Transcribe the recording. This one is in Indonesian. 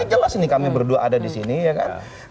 jelas ini kami berdua ada di sini ya kan